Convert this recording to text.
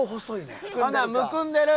ほんならむくんでる？